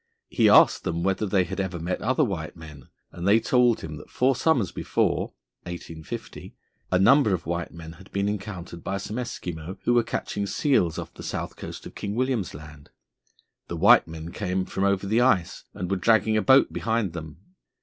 He asked them whether they had ever met other white men, and they told him that four summers before (1850) a number of white men had been encountered by some Eskimo who were catching seals off the south coast of King William's Land. The white men came from over the ice, and were dragging a boat behind them.